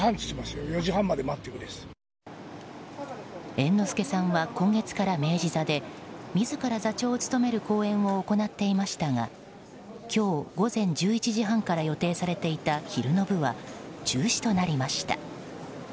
猿之助さんは今月から明治座で自ら座長を務める公演を行っていましたが今日午前１１時半から予定されていた昼の部は中止となりました。